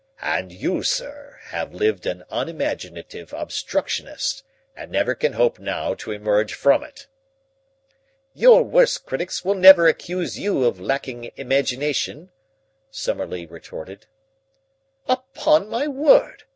"And you, sir, have lived an unimaginative obstructionist and never can hope now to emerge from it." "Your worst critics will never accuse you of lacking imagination," Summerlee retorted. "Upon my word!"